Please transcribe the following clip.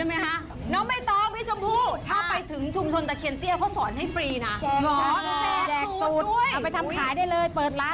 เอาเข้าสวยหน่อยไหม